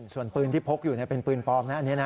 ส่วนปืนที่พกอยู่เป็นปืนปลอมนะอันนี้นะ